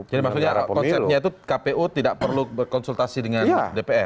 jadi maksudnya konsepnya itu kpu tidak perlu berkonsultasi dengan dpr